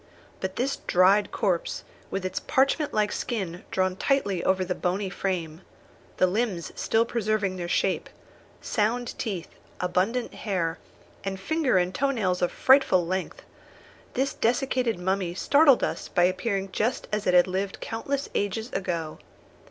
But this dried corpse, with its parchment like skin drawn tightly over the bony frame, the limbs still preserving their shape, sound teeth, abundant hair, and finger and toe nails of frightful length, this desiccated mummy startled us by appearing just as it had lived countless ages ago.